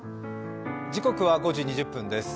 時刻は５時２０分です。